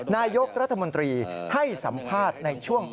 นายกรัฐมนตรีให้สัมภาษณ์ในช่วง